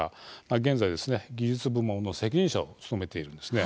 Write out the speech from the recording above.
現在、技術部門の責任者を務めているんです。